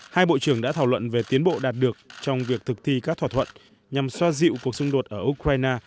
hai bộ trưởng đã thảo luận về tiến bộ đạt được trong việc thực thi các thỏa thuận nhằm xoa dịu cuộc xung đột ở ukraine